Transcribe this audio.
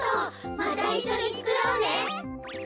またいっしょにつくろうね！